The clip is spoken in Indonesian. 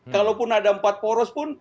kalaupun ada empat poros pun